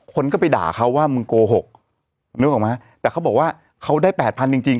คนก็ไปด่าเขาว่ามึงโกหกนึกออกไหมแต่เขาบอกว่าเขาได้แปดพันจริงจริง